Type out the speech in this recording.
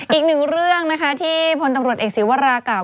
อ้ออีกหนึ่งเรื่องที่ผลตำรวจเอกสิวรากล่าว